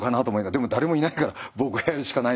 でも誰もいないから僕がやるしかないなと思って。